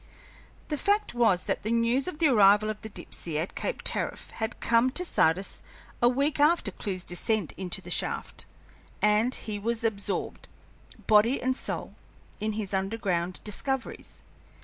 The fact was that the news of the arrival of the Dipsey at Cape Tariff had come to Sardis a week after Clewe's descent into the shaft, and he was absorbed, body and soul, in his underground discoveries.